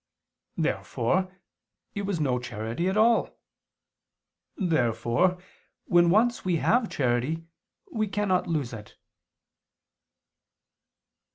] Therefore it was no charity at all. Therefore, when once we have charity, we cannot lose it.